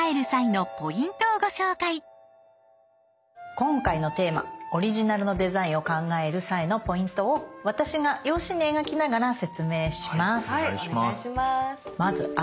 今回のテーマオリジナルのデザインを考える際のポイントを私が用紙に描きながら説明します。